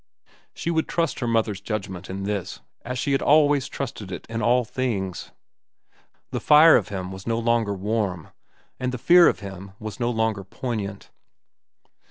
She would trust her mother's judgment in this as she had always trusted it in all things. The fire of him was no longer warm, and the fear of him was no longer poignant.